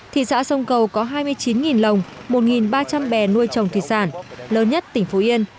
thị xã sông cầu có hai mươi chín lồng một ba trăm linh bè nuôi trồng thủy sản lớn nhất tỉnh phú yên